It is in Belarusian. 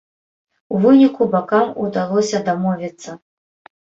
У выніку бакам удалося дамовіцца.